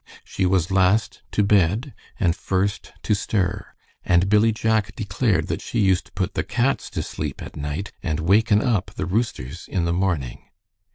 She was last to bed and first to stir, and Billy Jack declared that she used to put the cats to sleep at night, and waken up the roosters in the morning.